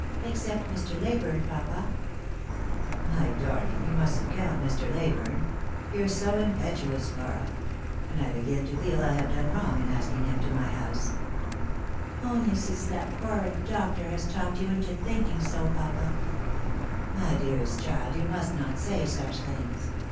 " Except Mr. Leyburne, papa." "My darling, we mustn't count Mr. Leyburne. You're so impetuous, Flora; and I begin to feel I have done wrong in asking him to my house "" Only since that horrid doctor has talked you into thinking bo, papa." Lost for Love. 39 My dearest child, yon must not say such things.